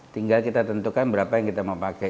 tinggal kita tentukan berapa yang kita mau pakai